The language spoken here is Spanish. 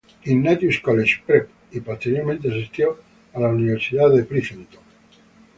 Ignatius College Prep, y posteriormente asistió a la Universidad de Princeton.